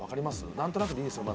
何となくでいいですよ